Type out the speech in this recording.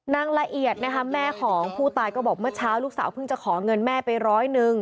นางละเอียดนะคะแม่ของผู้ตายก็บอกเมื่อเช้าลูกสาวเพิ่งจะขอเงินแม่ไปร้อยหนึ่ง